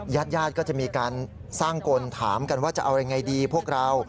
ญาติญาติก็จะมีการสร้างกลถามกันว่าจะเอาอะไรไงดีพวกเรา